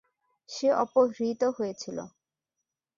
সে অপহৃত হয়েছিল।